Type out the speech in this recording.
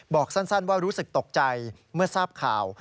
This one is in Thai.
บอกสั้นว่ารู้สึกตกใจเมื่อทราบข่าว